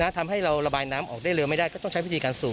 ทำให้เราระบายน้ำออกได้เร็วไม่ได้ก็ต้องใช้วิธีการสูบ